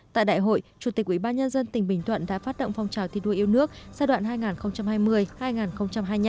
tại đại hội chủ tịch ubnd tỉnh bình thuận đã phát động phong trào thi đua yêu nước giai đoạn hai nghìn hai mươi hai nghìn hai mươi năm